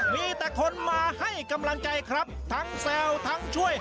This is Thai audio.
มีแต่คนมาให้กำลังใจครับทั้งแซวทั้งช่วย